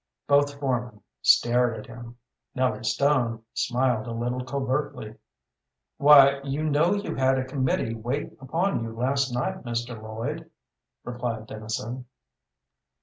Both foremen stared at him. Nellie Stone smiled a little covertly. "Why, you know you had a committee wait upon you last night, Mr. Lloyd," replied Dennison.